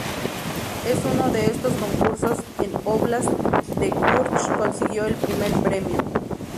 En uno de estos concursos en Óblast de Kursk consiguió el primer premio.